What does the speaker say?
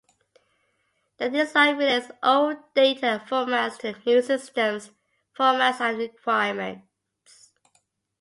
The design relates old data formats to the new system's formats and requirements.